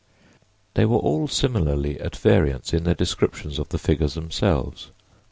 They were all similarly at variance in their descriptions of the figures themselves.